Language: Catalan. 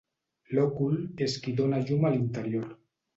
L'òcul és qui dóna llum a l'interior.